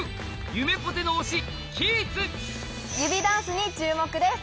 指ダンスに注目です。